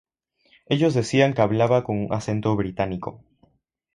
Ellos decían que hablaba con un acento británico.